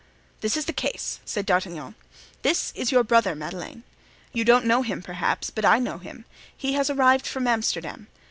"This is the case," said D'Artagnan; "this is your brother, Madeleine; you don't know him perhaps, but I know him; he has arrived from Amsterdam.